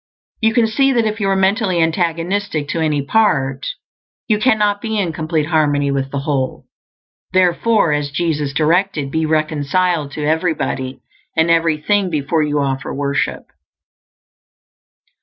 You can see that if you are mentally antagonistic to any part, you cannot be in complete harmony with the Whole; therefore, as Jesus directed, be reconciled to everybody and everything before you offer worship.